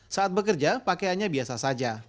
saat bekerja pakaiannya biasa saja